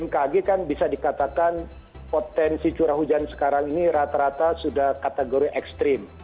bmkg kan bisa dikatakan potensi curah hujan sekarang ini rata rata sudah kategori ekstrim